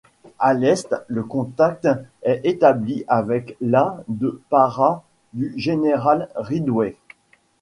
À l’est, le contact est établi avec la de paras du général Ridgway.